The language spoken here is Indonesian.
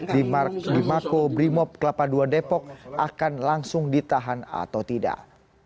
di mako brimob kelapa dua depok akan langsung ditahan atau tidak